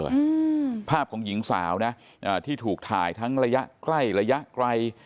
อืมภาพของหญิงสาวนะอ่าที่ถูกถ่ายทั้งระยะใกล้ระยะไกล